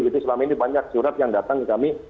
itu selama ini banyak surat yang datang ke kami